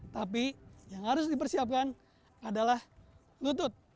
tapi yang harus dipersiapkan adalah lutut